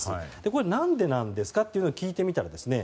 これ、何でなんですかと聞いてみたんですね。